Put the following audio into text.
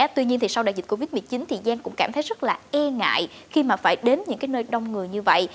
tuy nhiên thì sau đại dịch covid một mươi chín thì giang cũng cảm thấy rất là e ngại khi mà phải đến những cái nơi đông người như vậy